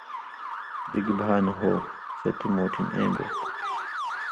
بگی بھانہ ہُوسو تی مُوٹِھن اېں بے تُھو۔